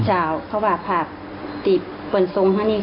ใช่เพราะว่าแปลกตรงสรงเดียว